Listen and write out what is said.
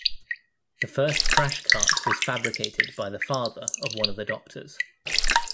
The first crash cart was fabricated by the father of one of the doctors.